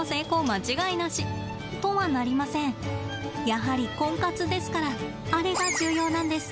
やはりコンカツですからあれが重要なんです。